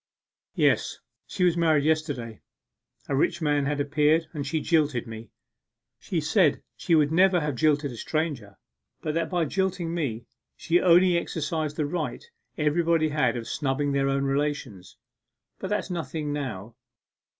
'Yes, she was married yesterday! A rich man had appeared, and she jilted me. She said she never would have jilted a stranger, but that by jilting me, she only exercised the right everybody has of snubbing their own relations. But that's nothing now.